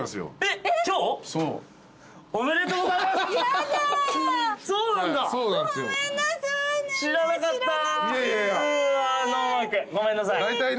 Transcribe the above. ごめんなさい。